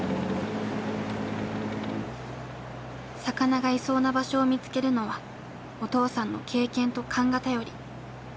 魚がいそうな場所を見つけるのはお父さんの経験と勘が頼り。